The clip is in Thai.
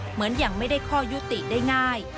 เหมือนยังไม่ได้ข้อยุติได้ง่าย